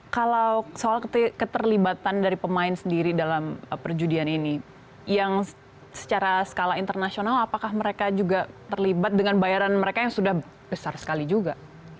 kalau soal keterlibatan dari pemain sendiri dalam perjudian ini yang secara skala internasional apakah mereka juga terlibat dengan bayaran mereka yang sudah besar sekali juga